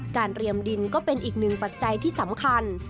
เรียมดินก็เป็นอีกหนึ่งปัจจัยที่สำคัญ